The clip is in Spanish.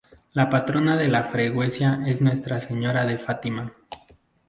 La patrona de la freguesia es Nuestra Señora de Fátima.